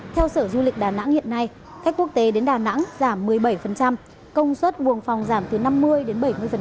theo sở du lịch đà nẵng hiện nay khách quốc tế đến đà nẵng giảm một mươi bảy công suất buồng phòng giảm từ năm mươi đến bảy mươi